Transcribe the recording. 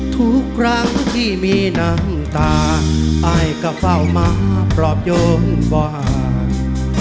ทุกครั้งที่มีน้ำตาอายก็เฝ้ามาปลอบโยมบอกห่าง